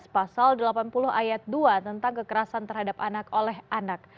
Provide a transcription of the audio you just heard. pasal delapan puluh ayat dua tentang kekerasan terhadap anak oleh anak